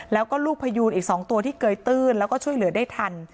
แล้วก็ลูกพยูนอีก๒ตัวที่เกยตื้นแล้วก็ช่วยเหลือได้ทัน